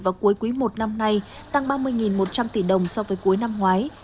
vào cuối quý một năm nay tăng ba mươi một trăm linh tỷ đồng so với cuối năm ngoái